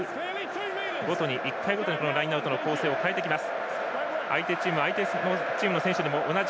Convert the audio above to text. １回ごとにラインアウトの構成を変えてきます。